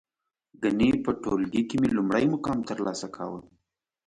گني په ټولگي کې مې لومړی مقام ترلاسه کاوه.